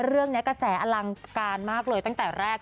เรื่องนี้กระแสอลังการมากเลยตั้งแต่แรก